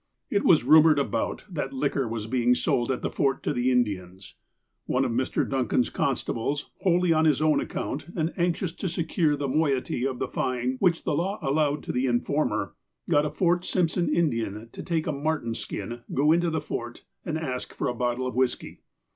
It was rumoured about that liquor was being sold at the Fort to the Indians. One of Mr. Duncan's con stables, wholly on his own account, and anxious to secure the moiety of the fine which the law allowed to the in former, got a Fort Simpson Indian to take a marten skin, go into the Fort, and ask for a bottle of whiskey.